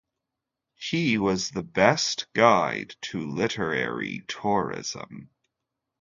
He was the best guide to literary tourism.